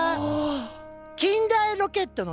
近代ロケットの父